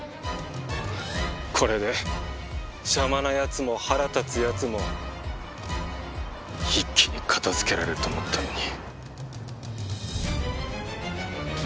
これで邪魔な奴も腹立つ奴も一気に片づけられると思ったのに。